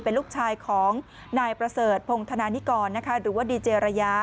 เป็นลูกชายของนายประเสริฐพงธนานิกรหรือว่าดีเจรยา